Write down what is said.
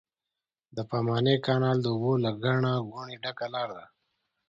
د پاماني کانال د اوبو له ګټه ګونې ډکه لاره ده.